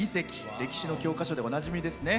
歴史の教科書でおなじみですね。